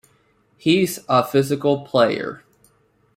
He's a physical player.